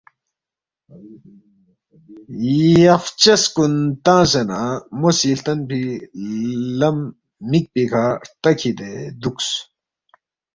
یفچس کُن تنگسے نہ مو سی ہلتنفی لم مِک پیکھہ ہرتا کِھدے دُوکس